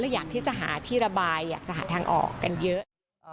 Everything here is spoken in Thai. อยากที่จะหาที่ระบายอยากจะหาทางออกกันเยอะ